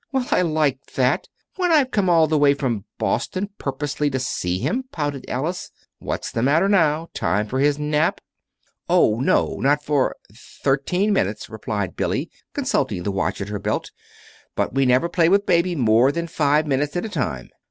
Well, I like that, when I've come all the way from Boston purposely to see him," pouted Alice. "What's the matter now? Time for his nap?" "Oh, no, not for thirteen minutes," replied Billy, consulting the watch at her belt. "But we never play with Baby more than five minutes at a time.